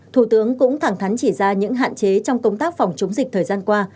thủ tướng cũng thẳng thắn chỉ ra những hạn chế trong công tác phòng chống dịch thời gian qua